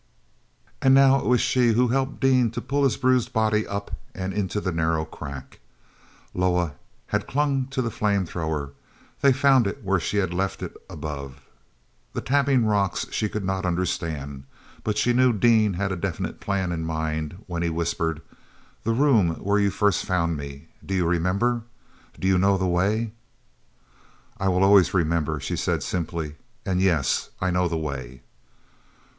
And now it was she who helped Dean to pull his bruised body up and into the narrow crack. Loah had clung to the flame thrower; they found it where she had left it up above. The tapping rocks she could not understand, but she knew Dean had a definite plan in mind when he whispered: "The room where you first found me—do you remember? Do you know the way?" "I will always remember," she said simply. "And, yes, I know the way."